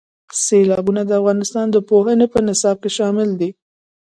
سیلابونه د افغانستان د پوهنې په نصاب کې شامل دي.